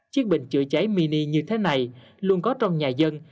chiếc bình chữa cháy mini như thế này luôn có trong nhà dân